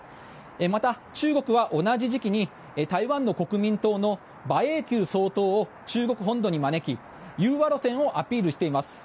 また、中国は同じ時期に台湾の国民党の馬英九前総統を中国本土に招き融和路線をアピールしています。